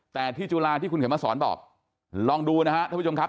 แต่ที่จุฬาที่คุณเขียนมาสอนบอกลองดูนะครับท่านผู้ชมครับ